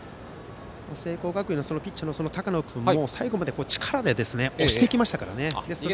聖光学院のピッチャーの高野君も最後まで力で押していきましたからね。